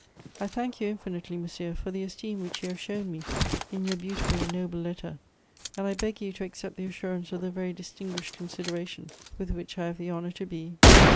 I thank you infinitely, monsieur, for the esteem which you have shown me in your beautiful and noble letter, and I beg you to accept the assurance of the very distinguished consideration with which I have the honour to be, etc."